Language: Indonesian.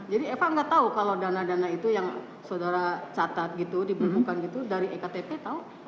jadi eva enggak tahu kalau dana dana itu yang saudara catat gitu diberhubungkan gitu dari ektp tahu